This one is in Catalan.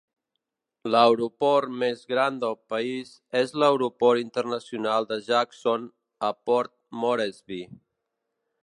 L'aeroport més gran del país és l'aeroport internacional de Jackson, a Port Moresby.